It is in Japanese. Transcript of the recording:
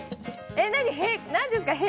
何ですか？